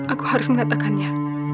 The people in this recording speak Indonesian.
aku harus mengatakannya